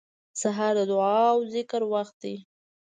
سهار د دعا او ذکر وخت دی.